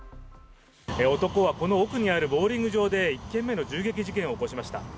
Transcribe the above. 男はこの奥にあるボウリング場で１件目の銃撃事件を起こしました。